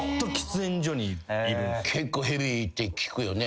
結構ヘビーって聞くけどね。